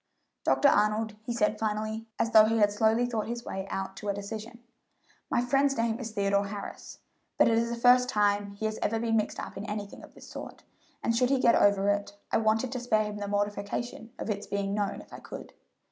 "Dr. Arnold," he said finally, as though he had slowly thought his way out to a decision, "my friend's name is Theodore Harris, but it is the first time he has ever been mixed up in anything of this sort, and should he get over it, I wanted to spare him the mortification of its being known if I could.